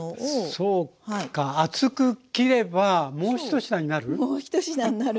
そうか厚く切ればもう１品になる。